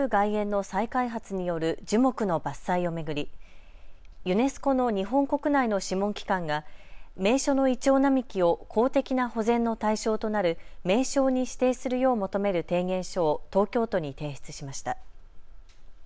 外苑の再開発による樹木の伐採を巡りユネスコの日本国内の諮問機関が名所のイチョウ並木を公的な保全の対象となる名勝に指定するよう求める提言書を東京都に提出しました。